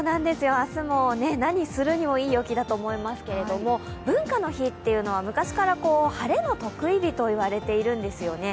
明日も何するにもいい陽気だと思いますけれども、文化の日というのは昔から晴れの特異日と言われているんですね。